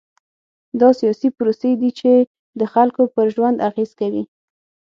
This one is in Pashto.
دا سیاسي پروسې دي چې د خلکو پر ژوند اغېز کوي.